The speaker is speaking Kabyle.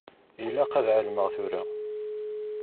Ilaq ad ɛelmeɣ tura.